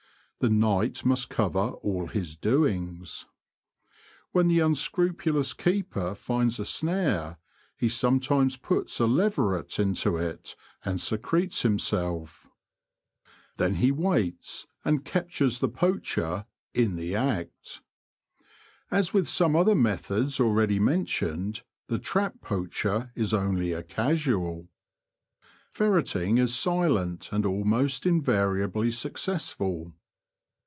The night must cover all his doings. When the unscrupulous keeper finds a snare he some times puts a leveret into it, and secretes himself. Then he waits, and captures the poacher '' in The Confessions of a T^oacher. 129 the act." As with some other methods already mentioned, the trap poacher is only a casual. Ferretting is silent and almost invariably successful.